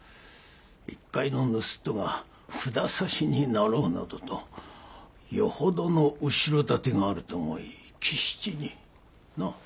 一介の盗人が札差になろうなどとよほどの後ろ盾があると思い喜七になあ？